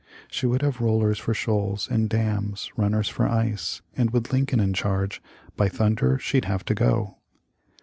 She would have rollers for shoals and dams, runners for ice, and with Lincoln in charge, " By thunder, she'd have to go